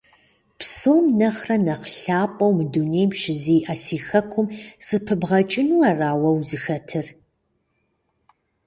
Псом нэхърэ нэхъ лъапӀэу мы дунейм щызиӀэ си хэкум сыпыбгъэкӀыну ара уэ узыхэтыр?